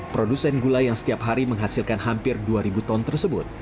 produsen gula yang setiap hari menghasilkan hampir dua ribu ton tersebut